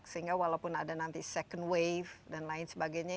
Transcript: sehingga walaupun ada nanti second wave dan lain sebagainya